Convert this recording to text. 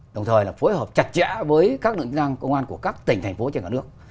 đồng thời phối hợp chặt chẽ với các nội dung công an của các tỉnh thành phố trên cả nước